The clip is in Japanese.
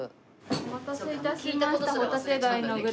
お待たせ致しました。